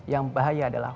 yang bahaya adalah